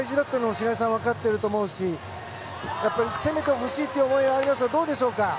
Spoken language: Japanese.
白井さん、分かっていると思うし攻めてほしいという思いがありますがどうでしょうか？